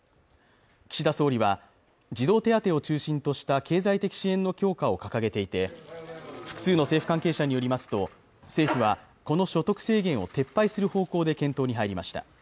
岸田総理は児童手当を中心とした経済的支援の強化を掲げていて複数の政府関係者によりますと政府はこの所得制限を撤廃する方向で検討に入りました